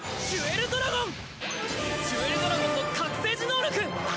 ジュエルドラゴンの覚醒時能力！